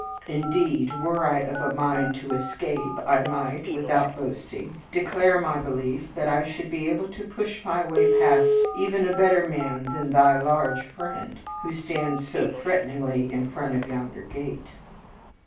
Indeed, were I of a mind to escape, I might, without boasting, declare my belief that I should be able to push my way past even a better man than thy large friend who stands so threateningly in front of yonder gate."